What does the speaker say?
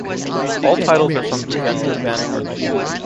All titles are from Devendra Banhart.